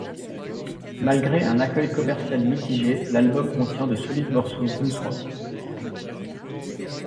Malgré un accueil commercial mitigé, l'album contient de solides morceaux blues rock.